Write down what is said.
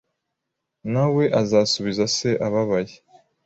Na we asubiza se ababaye